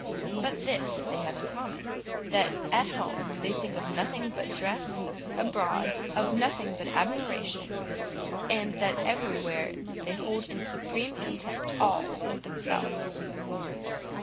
But this they have in common, that at home they think of nothing but dress, abroad, of nothing but admiration, and that every where they hold in supreme contempt all but themselves."